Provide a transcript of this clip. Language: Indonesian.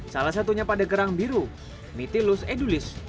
salah satunya pada kerang biru mitilus edulis